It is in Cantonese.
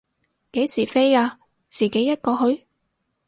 幾時飛啊，自己一個去？